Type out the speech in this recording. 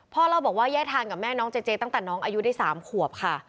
เล่าบอกว่าแยกทางกับแม่น้องเจเจตั้งแต่น้องอายุได้๓ขวบค่ะ